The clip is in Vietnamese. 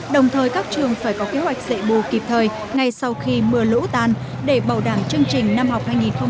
đồng thời các trường phải có kế hoạch dễ bù kịp thời ngay sau khi mưa lũ tan để bảo đảm chương trình năm học hai nghìn một mươi tám hai nghìn một mươi chín